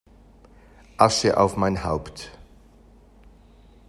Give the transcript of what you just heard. Asche auf mein Haupt!